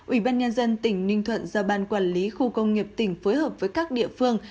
ủy ban nhân dân tỉnh ninh thuận do ban quản lý khu công nghiệp tỉnh phối hợp với các địa phương